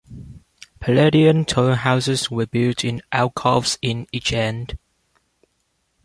Palladian toll houses were built in alcoves at each end.